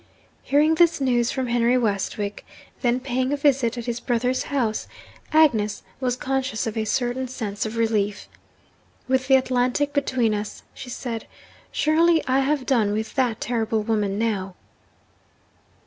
Hearing this news from Henry Westwick (then paying a visit at his brother's house), Agnes was conscious of a certain sense of relief. 'With the Atlantic between us,' she said, 'surely I have done with that terrible woman now!'